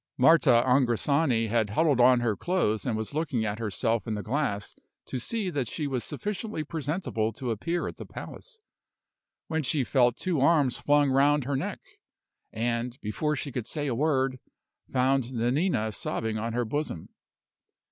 Marta Angrisani had huddled on her clothes and was looking at herself in the glass to see that she was sufficiently presentable to appear at the palace, when she felt two arms flung round her neck; and, before she could say a word, found Nanina sobbing on her bosom.